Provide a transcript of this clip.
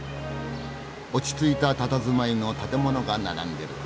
落ち着いたたたずまいの建物が並んでる。